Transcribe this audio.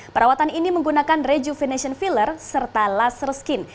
perawatan ini menggunakan rejuvenation filler serta laser skin